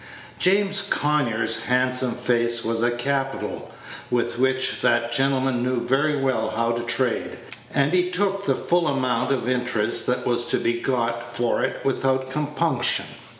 James Conyers' handsome face was a capital with which that gentleman knew very well how to trade, and he took the full amount of interest that was to be got for it without compunction.